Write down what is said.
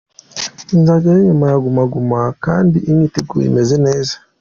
Nzajyayo nyuma ya Guma Guma kandi imyiteguro imeze neza.